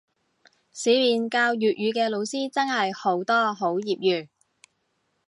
市面教粵語嘅老師真係好多好業餘